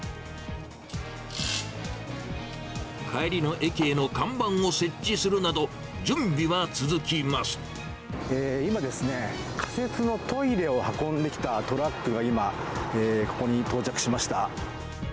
帰りの駅への看板を設置するなど、今、仮設のトイレを運んできたトラックが今、ここに到着しました。